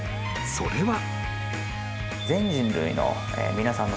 それは］